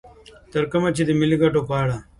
تر کومه چې د ملي ګټو په اړه